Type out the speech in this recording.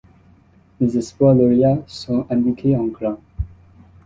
Les espoirs lauréats sont indiqués en gras.